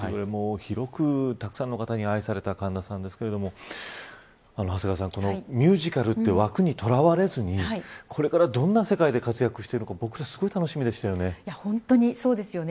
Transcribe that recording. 広くたくさんの方に愛された神田さんですが長谷川さん、ミュージカルという枠にとらわれずにこれからどんな世界で活躍していくのか僕たちすごく楽しみでし本当にそうですよね。